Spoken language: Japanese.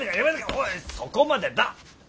おいそこまでだ。